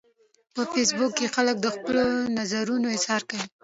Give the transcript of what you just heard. په فېسبوک کې خلک د خپلو نظرونو اظهار کوي